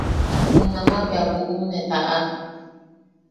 Junama bea buʼum ne taʼak.